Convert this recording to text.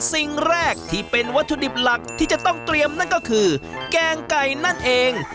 สิ่งแรกที่เป็นวัตถุดิบหลักที่จะต้องเตรียมนั่นก็คือแกงไก่นั่นเอง